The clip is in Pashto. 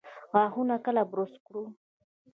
غاښونه کله برس کړو؟